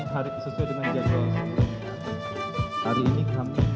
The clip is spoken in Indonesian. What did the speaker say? hari ini kami menghadirkan